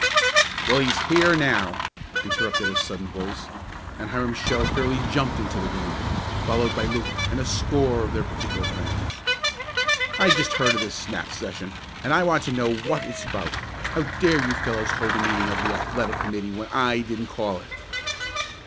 "Well, he's here now!" interrupted a sudden voice, and Hiram Shell fairly jumped into the room, followed by Luke and a score of their particular friends. "I just heard of this snap session, and I want to know what it's about. How dare you fellows hold a meeting of the athletic committee when I didn't call it?"